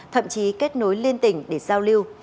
thậm chí kết nối liên tỉnh để giao lưu